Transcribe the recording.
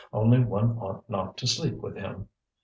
Only one ought not to sleep with him.